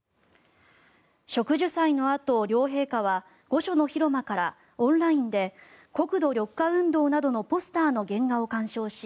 植樹祭のあと両陛下は御所の広間からオンラインで国土緑化運動などのポスターの原画を鑑賞し